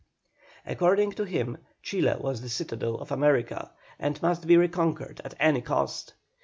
According to him Chile was the citadel of America, and must be reconquered at any cost.